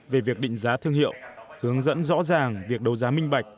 về việc định giá thương hiệu hướng dẫn rõ ràng việc đấu giá minh bạch